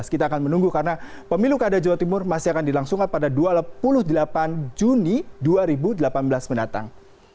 kita akan menunggu karena pemilu kada jawa timur masih akan dilangsungkan pada dua puluh delapan juni dua ribu delapan belas mendatang